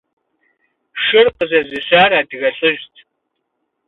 Шыр къызэзыщар адыгэ лӀыжьт.